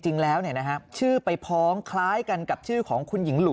จริงแล้วชื่อไปพ้องคล้ายกันกับชื่อของคุณหญิงหลู